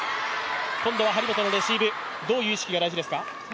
今度は張本のレシーブ、どういう意識が大事ですか？